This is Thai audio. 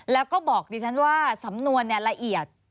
แล้วก็บอกดิฉันว่าสำนวนละเอียด